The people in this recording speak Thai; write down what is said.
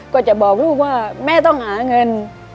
ก็จะบอกลูกว่าแม่ต้องหาเงิน